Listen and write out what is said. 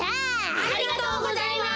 ありがとうございます！